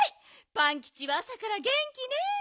パンキチはあさからげんきね。